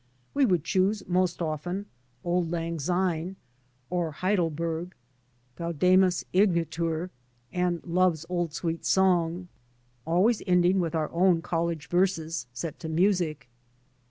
We would choose ^nost often " Auld Lang Syne " or " Heidel berg," " Gaudcamus Igitur," and " Love's old Sweet Song," always ending with our own college verses set to music.